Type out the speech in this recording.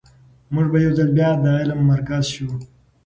موږ به یو ځل بیا د علم مرکز شو.